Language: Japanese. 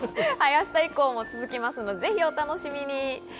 明日以降も続きますので、ぜひお楽しみに。